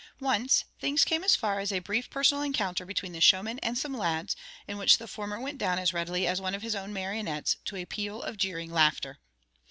Once, things came as far as a brief personal encounter between the showman and some lads, in which the former went down as readily as one of his own marionnettes to a peal of jeering laughter.